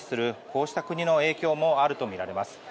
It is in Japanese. こうした国の影響もあるとみられます。